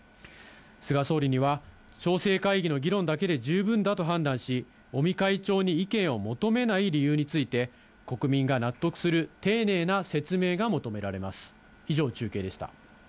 菅総理には、調整会議の議論だけで十分だと判断し、尾身会長に意見を求めない理由について、国民が納得する丁寧な説明が求められます。